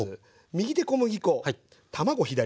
右手小麦粉卵左手。